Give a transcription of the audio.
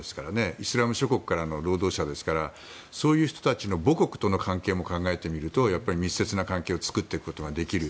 イスラム諸国からの労働者ですからそういう人たちの母国との関係も考えてみるとやっぱり密接な関係を作っていくことができる。